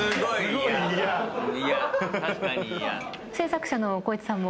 製作者の光一さんも。